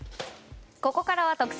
ここからは特選！